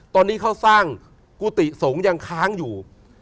ตอนนี้เขาสร้างกุฏิสงฆ์ยังค้างอยู่